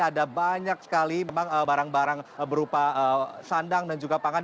ada banyak sekali memang barang barang berupa sandang dan juga pangan